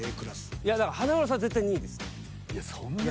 いやだから華丸さん絶対２位です。そんなに？